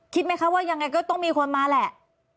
คิดไหมคะว่ายังไงก็ต้องมีคนมาแหละ